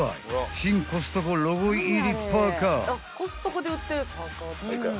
［新コストコロゴ入りパーカー］